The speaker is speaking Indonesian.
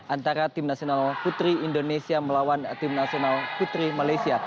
antara tim nasional putri indonesia melawan tim nasional putri malaysia